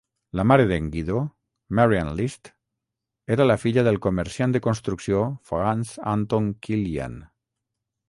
La mare d'en Guido, Marian List, era la filla del comerciant de construcció Franz Anton Killian.